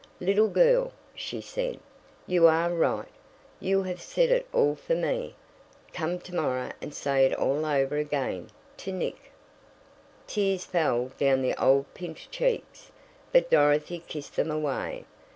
"Little girl," she said, "you are right. You have said it all for me. Come to morrow and say it all over again to Nick." Tears fell down the old pinched cheeks, but Dorothy kissed them away.